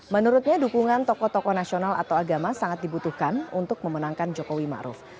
menurutnya dukungan toko toko nasional atau agama sangat dibutuhkan untuk memenangkan jokowi maruf